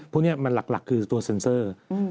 พวกนี้มันหลักคือตัวเซ็นเซอร์